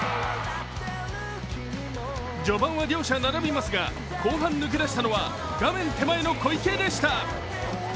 序盤は両者並びますが後半抜け出したのは画面手前の小池でした。